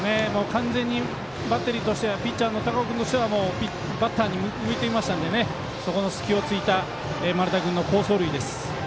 完全にバッテリーとしてはピッチャーの高尾君としてはバッターに向いていたのでそこの隙を突いた丸田君の好走塁です。